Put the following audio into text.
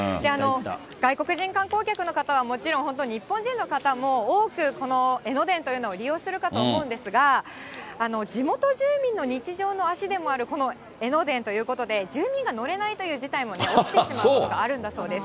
外国人観光客の方はもちろん本当、日本人の方も多くこの江ノ電というのを利用するかと思うんですが、地元住民の日常の足でもあるこの江ノ電ということで、住民が乗れないという事態も起きてしまうことがあるんだそうです。